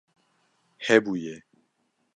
Hebûye